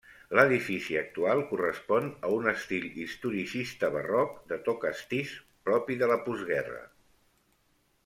L'edifici actual correspon a un estil historicista barroc de to castís propi de la postguerra.